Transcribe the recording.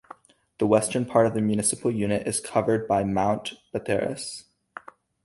The western part of the municipal unit is covered by Mount Pateras.